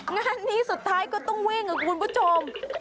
งานนี้สุดท้ายก็ต้องวิ่งค่ะคุณผู้ชม